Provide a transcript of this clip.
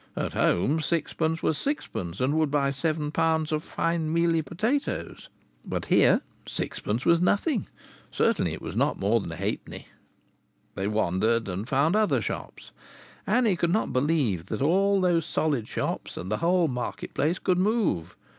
At home sixpence was sixpence, and would buy seven pounds of fine mealy potatoes; but here sixpence was nothing certainly it was not more than a halfpenny. They wandered and found other shops. Annie could not believe that all those solid shops and the whole market place could move.